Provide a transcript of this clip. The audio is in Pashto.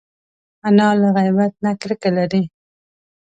انا له غیبت نه کرکه لري